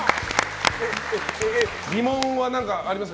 疑問は何かありますか？